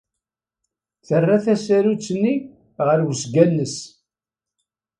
Terra tasarut-nni ɣer wesga-nnes.